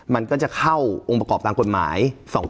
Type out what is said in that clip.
มันก็จะเข้าองค์ประกอบตามกฎหมาย